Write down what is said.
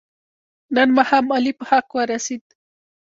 نن ماښام علي په حق ورسید.